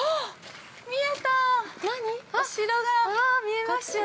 ◆見えた。